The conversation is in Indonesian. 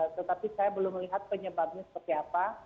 tetapi saya belum melihat penyebabnya seperti apa